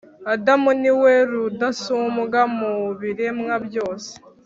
Adamu ni we rudasumbwa mu biremwa byose.